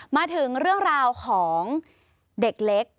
มาถึงเรื่องราวของเด็กเล็ก